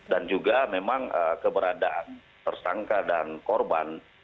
dan juga memang keberadaan tersangka dan korban